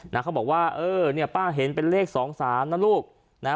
เขาบอกว่าเออเนี่ยป้าเห็นเป็นเลขสองสามนะลูกนะฮะ